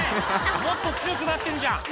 もっと強くなってんじゃん」